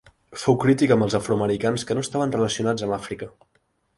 Fou crític amb els afroamericans que no estaven relacionats amb Àfrica.